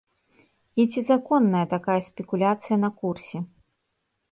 І ці законная такая спекуляцыя на курсе?